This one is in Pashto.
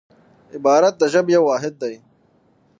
عبارت د ژبي یو واحد دئ.